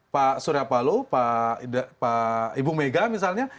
pak suryapalo pak ibu mega misalnya